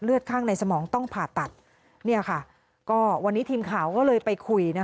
เลือดข้างในสมองต้องผ่าตัดวันนี้ทีมข่าวก็เลยไปคุย